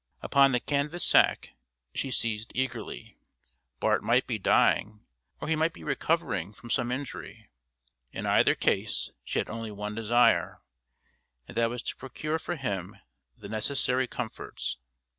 Upon the canvas sack she seized eagerly. Bart might be dying, or he might be recovering from some injury; in either case she had only one desire, and that was to procure for him the necessary comforts.